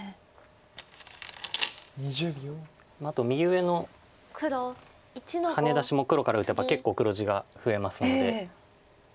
あと右上のハネ出しも黒から打てば結構黒地が増えますので。